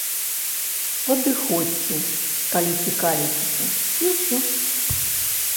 Падыходзьце, калі цікавіцеся, і ўсё.